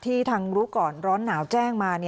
ทางรู้ก่อนร้อนหนาวแจ้งมา